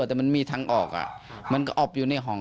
แต่มันมีทางออกมันก็อบอยู่ในห้อง